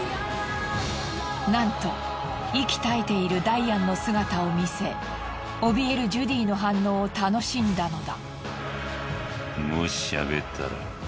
なんと息絶えているダイアンの姿を見せおびえるジュディの反応を楽しんだのだ。